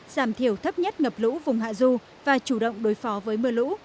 giảm thiểu thấp nhất ngập lũ vùng hạ du và chủ động đối phó với mưa lũ